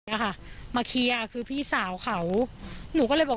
ก็กลายเป็นว่าติดต่อพี่น้องคู่นี้ไม่ได้เลยค่ะ